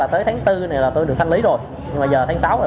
nhưng mà giờ tháng sáu là vẫn chưa được thanh lý